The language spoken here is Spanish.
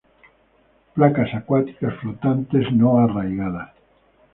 Plantas acuáticas flotantes, no arraigadas.